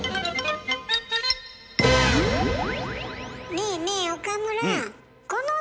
ねえねえ岡村。